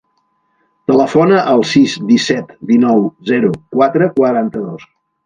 Telefona al sis, disset, dinou, zero, quatre, quaranta-dos.